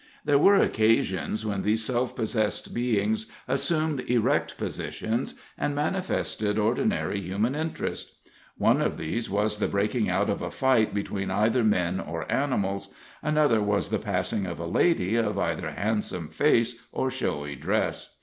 There were occasions when these self possessed beings assumed erect positions and manifested ordinary human interest. One of these was the breaking out of a fight between either men or animals; another was the passing of a lady of either handsome face or showy dress.